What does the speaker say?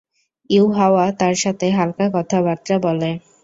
ইউহাওয়া তার সাথে হাল্কা কথাবার্তা বলে।